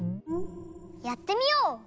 やってみよう。